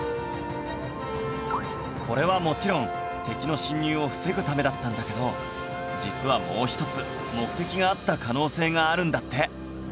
これはもちろん敵の侵入を防ぐためだったんだけど実はもう一つ目的があった可能性があるんだって